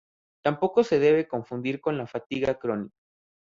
Tampoco se debe confundir con la fatiga crónica.